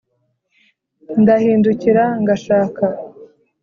Ndahindukira ngashaka